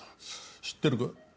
知ってるか？